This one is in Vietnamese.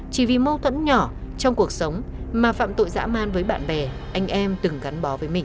chỉ vì mâu thuẫn nhỏ trong cuộc sống mà phạm tội dã man với bạn bè anh em từng gắn bó với mình